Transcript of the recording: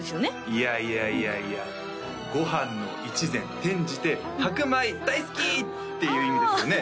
いやいやいやいやご飯の一膳転じて白米大好き！っていう意味ですよね？